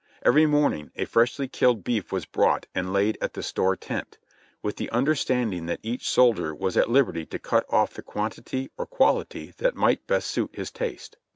Every morning a freshly killed beef was brought and laid at the store tent, with the understanding that each soldier was at liberty to cut off the quantity or quality that might best suit his taste.